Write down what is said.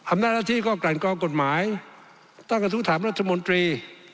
หน้าที่ก็กลั่นกรองกฎหมายตั้งกระทู้ถามรัฐมนตรี